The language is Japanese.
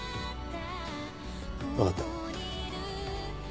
わかった。